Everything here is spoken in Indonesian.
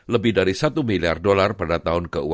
lebih dari satu miliar dolar pada tahun